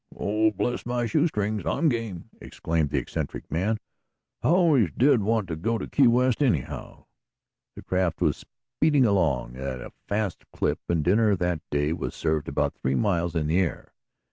"Oh, bless my shoe strings, I'm game!" exclaimed the eccentric man. "I always did want to go to Key West, anyhow." The craft was speeding along at a fast clip, and dinner that day was served about three miles in the air.